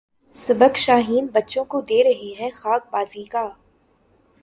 سبق شاہیں بچوں کو دے رہے ہیں خاک بازی کا